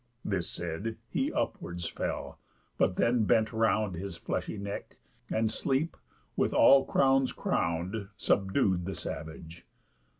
This said, he upwards fell, but then bent round His fleshy neck; and Sleep, with all crowns crown'd, Subdued the savage.